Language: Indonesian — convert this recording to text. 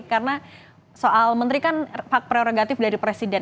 karena soal menteri kan prerogatif dari presiden